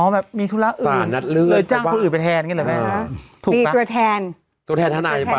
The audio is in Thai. อ๋อแบบมีธุระอื่น